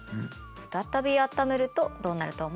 再びあっためるとどうなると思う？